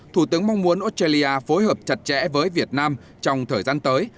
thủ tướng mong muốn australia phối hợp chặt chẽ với việt nam trong thời gian tới